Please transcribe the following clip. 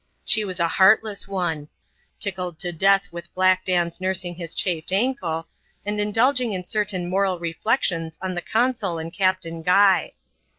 She was a heartless one :— tickled to death with Black Dan's nursing his chafed ankle, and indulging in certain moral reflections on the consul and Captain Guy.